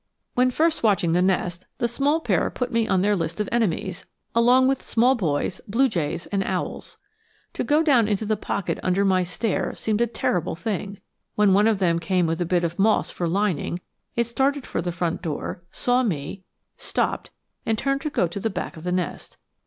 When first watching the nest the small pair put me on their list of enemies, along with small boys, blue jays, and owls. To go down into the pocket under my stare seemed a terrible thing. When one of them came with a bit of moss for lining, it started for the front door, saw me, stopped, and turned to go to the back of the nest.